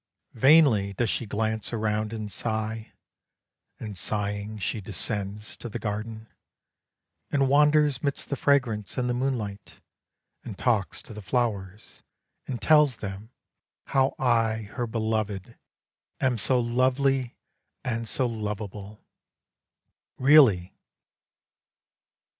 Vainly does she glance around, and sigh, And sighing she descends to the garden, And wanders midst the fragrance and the moonlight, And talks to the flowers, and tells them How I, her belovèd, am so lovely and so lovable really!